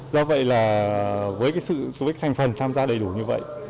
do vậy là với sự thành phần tham gia đầy đủ như vậy